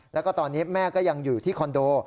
แล้วก็ตอนนี้แม่ก็ยังอยู่ที่คอนโด